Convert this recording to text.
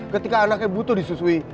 ketika anaknya butuh disusui